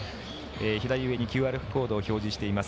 左上にＱＲコードを表示しています。